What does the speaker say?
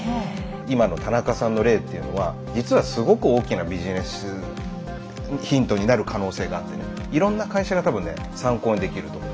今の田中さんの例というのは実はすごく大きなビジネスヒントになる可能性があってねいろんな会社が多分ね参考にできると思う。